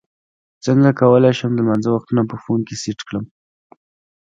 څنګه کولی شم د لمانځه وختونه په فون کې سیټ کړم